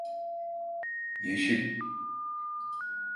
Yeşil…